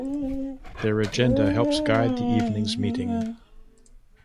Their agenda helps guide the evening's meeting.